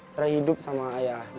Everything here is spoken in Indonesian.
cerai hidup sama ayah